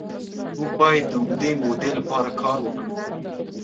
موږ بايد د اوږدې مودې لپاره کار وکړو.